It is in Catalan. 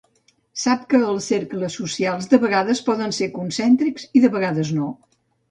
Sap que els cercles socials de vegades poden ser concèntrics i de vegades no.